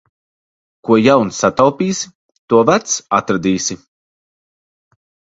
Ko jauns sataupīsi, to vecs atradīsi.